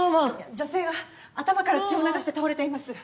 女性が頭から血を流して倒れています。